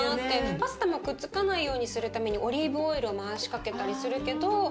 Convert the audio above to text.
パスタもくっつかないようにするためにオリーブオイルを回しかけたりするけど中華の麺でもできるんだね